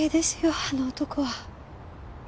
あの男は。